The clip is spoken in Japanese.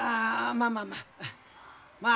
まあまあまあ。